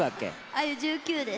あゆ１９です。